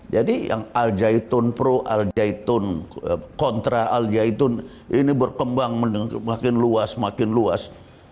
jadi yang al zaitun pro al zaitun kontra al zaitun ini berkembang makin luas makin luas